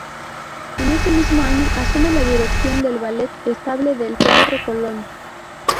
En ese mismo año asume la dirección del Ballet Estable del Teatro Colón.